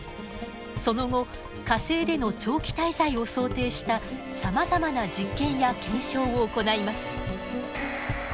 その後火星での長期滞在を想定したさまざまな実験や検証を行います。